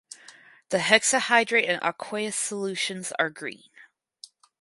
The hexahydrate and aqueous solutions are green.